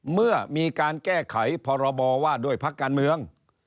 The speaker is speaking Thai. เมื่อมีการแก้ไขพรบว่าด้วยพักการเมือง